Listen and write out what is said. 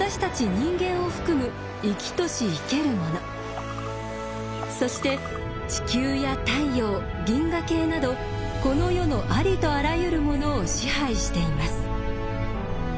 人間を含む生きとし生けるものそして地球や太陽銀河系などこの世のありとあらゆるものを支配しています。